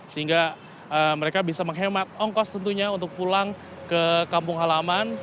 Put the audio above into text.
sehingga mereka bisa menghemat ongkos tentunya untuk pulang ke kampung halaman